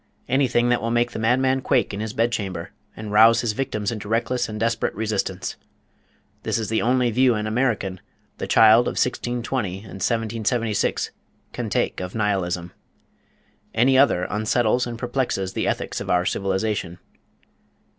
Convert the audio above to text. Anything that will make the madman quake in his bedchamber, and rouse his victims into reckless and desperate resistance. This is the only view an American, the child of 1620 and 1776, can take of Nihilism. Any other unsettles and perplexes the ethics of our civilization.